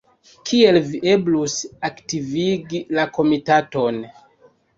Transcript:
Kiel eblus aktivigi la komitaton?